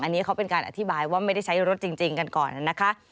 อันนี้เขาเป็นการอธิบายว่าไม่ได้ใช้รถจริงกันก่อนนะคะ